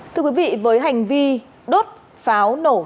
thưa quý vị với hành vi đốt pháo nổ